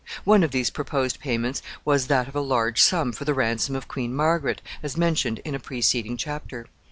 One of these proposed payments was that of a large sum for the ransom of Queen Margaret, as mentioned in a preceding chapter.